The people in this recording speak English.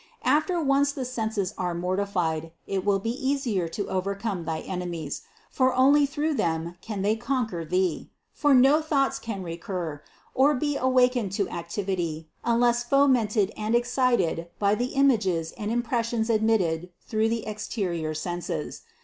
After once the senses are mortified, it will be easy to overcome thy enemies, for only through them can they conquer thee ; for no thoughts can recur, or be awakened to activ ity, unless fomented and excited by the images and im pressions admitted through the exterior senses.